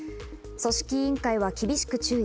組織委員会は厳しく注意。